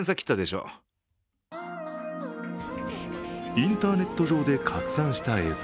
インターネット上で拡散した映像。